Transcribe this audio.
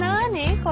これ。